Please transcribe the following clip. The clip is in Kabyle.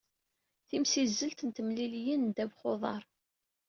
Timsizzelt n temliliyin n ddabex uḍar.